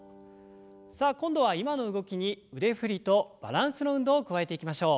さあ今度は今の動きに腕振りとバランスの運動を加えていきましょう。